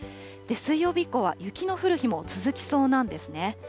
水曜日以降は雪の降る日も続きそうなんですね。